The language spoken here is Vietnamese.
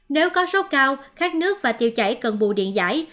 nếu có sốc cao khát nước và tiêu chảy cần bù điện giải